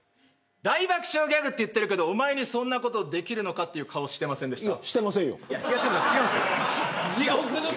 大爆笑ギャグって言ってるけどおまえにそんなことできるのかっていう顔してませんか。